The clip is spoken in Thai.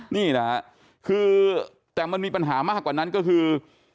นี่นะฮะคือแต่มันมีปัญหามากกว่านั้นก็คือ